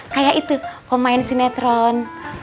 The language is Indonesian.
kayak itu pemain sinetron